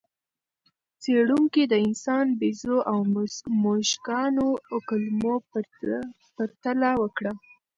څېړونکي د انسان، بیزو او موږکانو کولمو پرتله وکړه.